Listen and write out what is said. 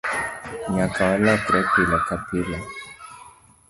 Nyaka walwokre pile ka pile.